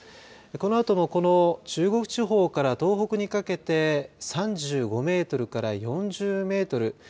このあとも中国地方から東北にかけて３５メートルから４０メートル。